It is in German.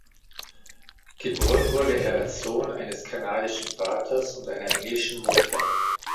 Geboren wurde er als Sohn eines kanadischen Vaters und einer englischen Mutter.